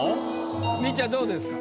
みっちゃんどうですか？